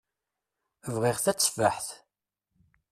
Bɣiɣ tateffaḥt.